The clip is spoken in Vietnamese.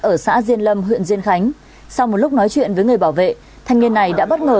ở xã diên lâm huyện diên khánh sau một lúc nói chuyện với người bảo vệ thanh niên này đã bất ngờ